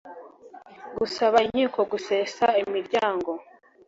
gusaba inkiko gusesa imiryango